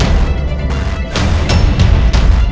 yaudah kamu tunggu disana ya